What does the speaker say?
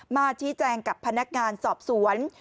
มาชี้แจงกับพนักงานสอบสวน